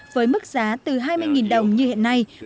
với mức giá từ hai mươi đồng như hiện nay